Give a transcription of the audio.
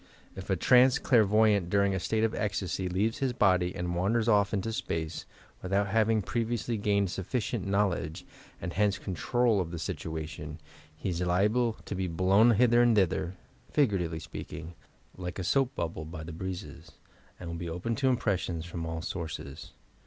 If a t ranee el ai rvoy _ ant, during a state of ecstasy, leaves his body and wanders off into space, without having previously gained sufficient knowledge, and hence control of the situation, he ia liable to be blown hither and thither (figuratively speaking) like a soap bubble by the breezes, and will be open to impressions from all sources.